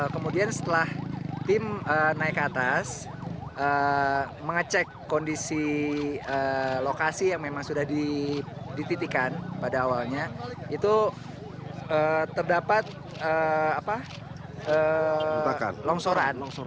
kemudian setelah tim naik ke atas mengecek kondisi lokasi yang memang sudah dititikan pada awalnya itu terdapat longsoran